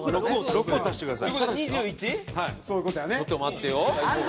７を足してください。